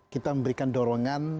kita memberikan dorongan